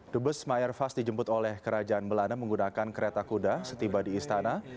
dubes myerfast dijemput oleh kerajaan belanda menggunakan kereta kuda setiba di istana